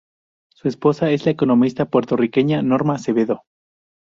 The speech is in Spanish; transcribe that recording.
Su esposa es la economista puertorriqueña Norma Acevedo.